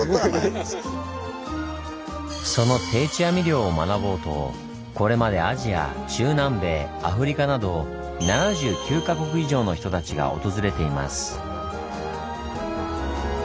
その定置網漁を学ぼうとこれまでアジア中南米アフリカなど７９か国以上の人たちが訪れています。